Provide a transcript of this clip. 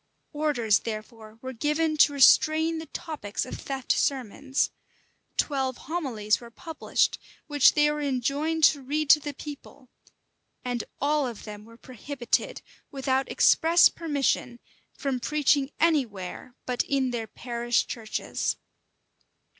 Orders therefore were given to restrain the topics of theft sermons: twelve homilies were published, which they were enjoined to read to the people: and all of them were prohibited, without express permission, from preaching any where but in their parish churches.